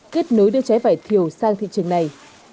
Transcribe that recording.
kết nối đưa trái vài thiếu sang thị trường này